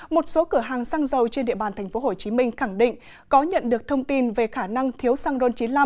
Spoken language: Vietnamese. một số cửa hàng xăng dầu trên địa bàn tp hcm khẳng định có nhận được thông tin về khả năng thiếu xăng ron chín mươi năm